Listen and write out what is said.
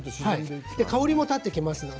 香りも立ってきます。